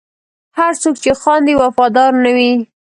هر څوک چې خاندي، وفادار نه وي.